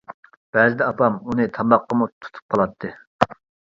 بەزىدە ئاپام ئۇنى تاماققىمۇ تۇتۇپ قالاتتى.